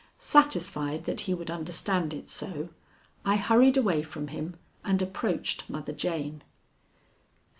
Satisfied that he would understand it so, I hurried away from him and approached Mother Jane.